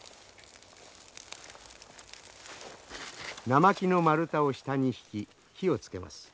生木の丸太を下に敷き火をつけます。